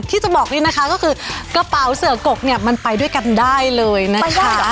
ที่จะบอกนี่นะคะก็คือกระเป๋าเสือกกเนี่ยมันไปด้วยกันได้เลยนะคะ